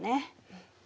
うん。